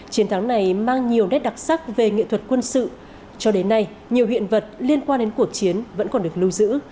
chiến thắng này mang nhiều nét đặc sắc về nghệ thuật quân sự cho đến nay nhiều hiện vật liên quan đến cuộc chiến vẫn còn được lưu giữ